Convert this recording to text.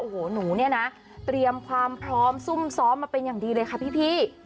โอ้โหหนูเนี่ยนะเตรียมความพร้อมซุ่มซ้อมมาเป็นอย่างดีเลยค่ะพี่